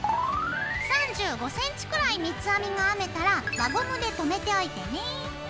３５ｃｍくらい三つ編みが編めたら輪ゴムで留めておいてね。